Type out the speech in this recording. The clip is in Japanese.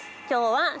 今日は。